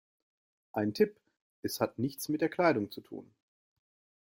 Ein Tipp: Es hat nichts mit der Kleidung zu tun.